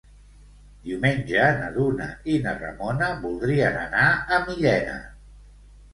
Diumenge na Duna i na Ramona voldrien anar a Millena.